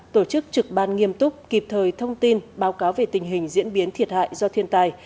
tổ chức trực ban nghiêm túc kịp thời thông tin báo cáo về tình hình diễn biến thiệt hại do thiên tai